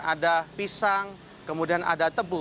ada pisang kemudian ada tebu